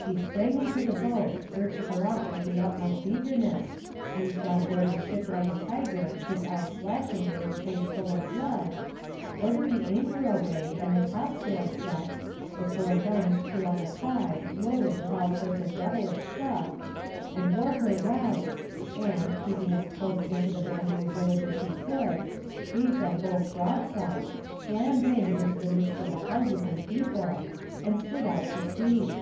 He sprang into the boat, urged her off with the utmost eagerness, leaped on board the ship like a tiger, his eyes flashing and his face full of blood, ordered the anchor aweigh, and the topsails set, the four guns, two on a side, loaded with all sorts of devilish stuff, and wore her round, and, keeping as close into the bamboo village as he could, gave them both broadsides, slam bang into the midst of the houses and people, and stood out to sea!